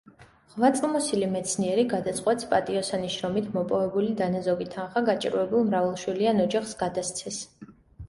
ღვაწლმოსილი მეცნიერი გადაწყვეტს პატიოსანი შრომით მოპოვებული დანაზოგი თანხა გაჭირვებულ მრავალშვილიან ოჯახს გადასცეს.